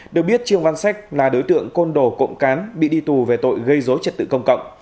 được biết trương văn sách là đối tượng côn đồ cộng cán bị đi tù về tội gây dối trật tự công cộng